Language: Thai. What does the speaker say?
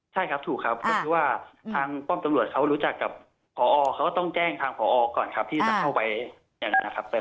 ใช่ครับถูกครับเพราะว่าทางป้อมตำรวจเขารู้จักกับผอเขาต้องแจ้งทางผอก่อนครับที่จะเข้าไป